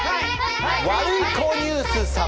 ワルイコニュース様。